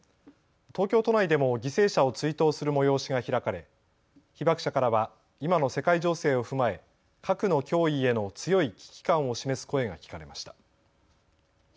東京都内でも犠牲者を追悼する催しが開かれ被爆者からは今の世界情勢を踏まえ核の脅威への強い危機感を示す声が聞かれました。